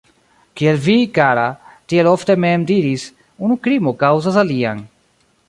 Kiel vi, kara, tiel ofte mem diris, unu krimo kaŭzas alian.